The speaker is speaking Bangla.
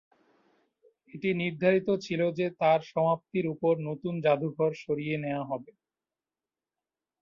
এটি নির্ধারিত ছিল যে তার সমাপ্তির উপর নতুন যাদুঘর সরিয়ে নেওয়া হবে।